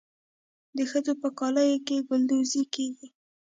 د ښځو په کالیو کې ګلدوزي کیږي.